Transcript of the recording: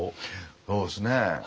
そうですね。